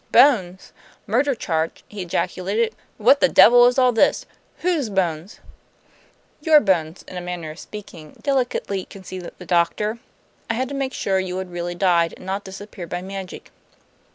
"Bones! Murder charge!" he ejaculated. "What the devil is all this? Whose bones?" "Your bones, in a manner of speaking," delicately conceded the doctor. "I had to make sure you had really died, and not disappeared by magic."